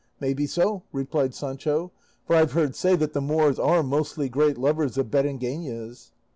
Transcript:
"May be so," replied Sancho; "for I have heard say that the Moors are mostly great lovers of berengenas."